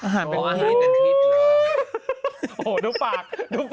โหดูปาก